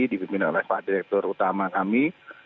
dipimpin oleh pak direktur utama kami